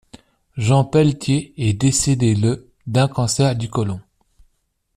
Jean Pelletier est décédé le d'un cancer du côlon.